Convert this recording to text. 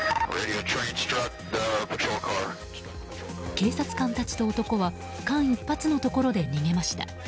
警察官たちと男は間一髪のところで逃げました。